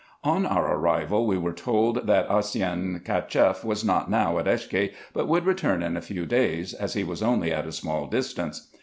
On our arrival we were told, that Osseyn Cacheff was not now at Eshke, but would return in a few days, as he was only at a small distance.